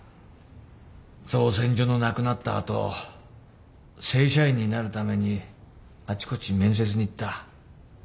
造船所のなくなった後正社員になるためにあちこち面接に行った。